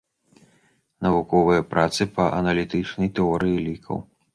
Навуковыя працы па аналітычнай тэорыі лікаў.